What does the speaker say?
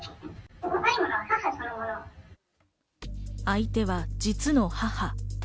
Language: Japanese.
相手は実の母。